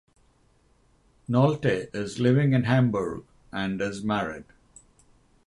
Nolte is living in Hamburg and is married.